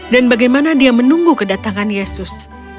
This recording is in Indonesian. dan bagaimana dia menunggu kedatangan yesus